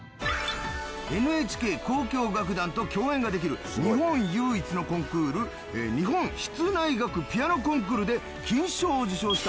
ＮＨＫ交響楽団と共演ができる日本唯一のコンクール日本室内楽ピアノコンクールで金賞を受賞した。